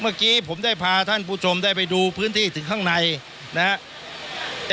เมื่อกี้ผมได้พาท่านผู้ชมได้ไปดูพื้นที่ถึงข้างในนะครับ